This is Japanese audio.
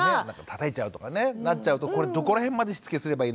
たたいちゃうとかねなっちゃうとこれどこら辺までしつけすればいいのかとかね。